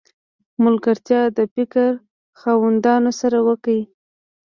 ملګرتیا د فکر خاوندانو سره وکړئ!